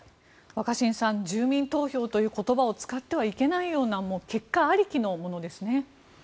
若新さん住民投票という言葉を使ってはいけないような結果ありきのものですね。